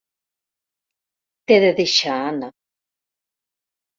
T'he de deixar, Anna.